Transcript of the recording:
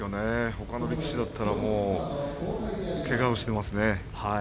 ほかの力士だったらもうけがをしていますね。